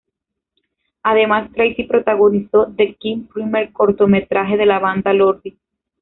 Además Tracy protagonizó The Kin, primer cortometraje de la banda Lordi.